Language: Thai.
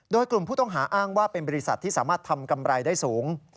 โดยกลุ่มผู้ต้องหาอ้างว่าเป็นบริษัทที่สามารถทำกำไรได้สูง